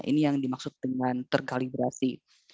ini yang dimaksud dengan terkalibrasi